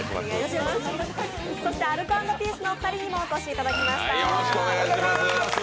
そしてアルコ＆ピースのお二人にもお越しいただきました。